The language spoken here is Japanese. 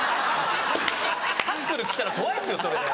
タックル来たら怖いですよそれ。